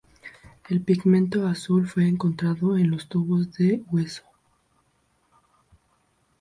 El pigmento azul fue encontrado en los tubos de hueso.